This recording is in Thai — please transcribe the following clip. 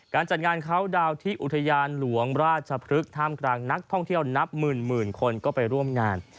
จัดงานเขาดาวนที่อุทยานหลวงราชพฤกษท่ามกลางนักท่องเที่ยวนับหมื่นคนก็ไปร่วมงาน